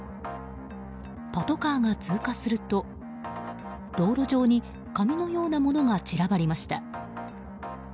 パトカーが通過すると道路上に紙のようなものが散らばりました。